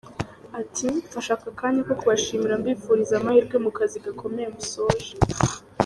Ati” Mfashe aka kanya ko kubashimira mbifuriza amahirwe mu kazi gakomeye musoje.